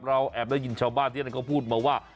เราแอบได้ยินชาวบ้านที่ก็พูดมาว่า